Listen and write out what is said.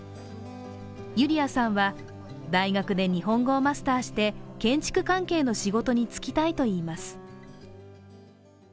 ユリアさんは大学で日本語をマスターして、建築関係の仕事に就きたいといいます。